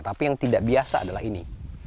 tapi yang tidak biasa adalah ini